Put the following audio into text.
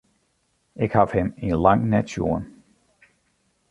Ik haw him yn lang net sjoen.